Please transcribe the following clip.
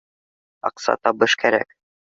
Аҡса, табыш кәрәк